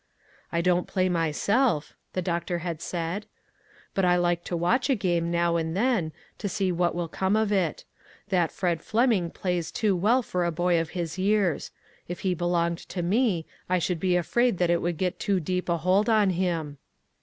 "I don't play myself," the doctor had said, " but I like to watch a game now and then to see what will come of it. That Fred Fleming plays too well for a boy of his years. If he belonged to me, I should be afraid that it would get too deep a hold on him."